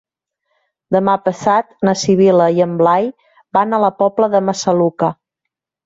Demà passat na Sibil·la i en Blai van a la Pobla de Massaluca.